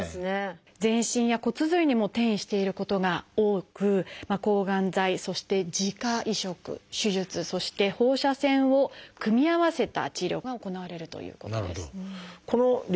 全身や骨髄にも転移していることが多く抗がん剤そして自家移植手術そして放射線を組み合わせた治療が行われるということです。